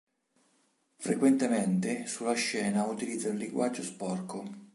Frequentemente sulla scena utilizza un linguaggio "sporco".